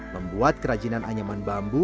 membuat kerajinan anyaman bambu